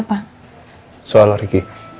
bila sudah sulit